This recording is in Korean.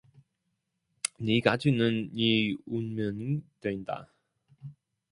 네 가치는 네 운명이 된다.